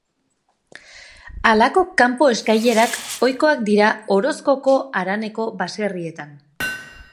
Halako kanpo-eskailerak ohikoak dira Orozkoko haraneko baserrietan.